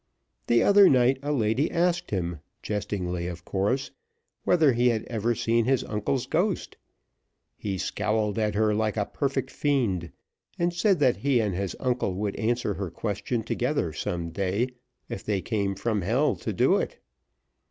The other night a lady asked him, jestingly of course, whether he had ever seen his uncle's ghost. He scowled at her like a perfect fiend, and said that he and his uncle would answer her question together some day, if they came from hell to do it.